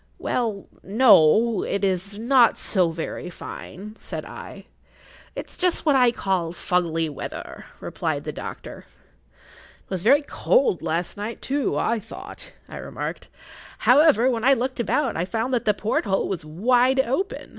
"Well, no—it is not so very fine," said I. "It's just what I call fuggly weather," replied the doctor. "It was very cold last night, I thought," I remarked. "However, when I looked about, I found that the porthole was wide open.